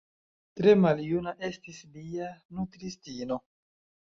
Tre maljuna estis lia nutristino.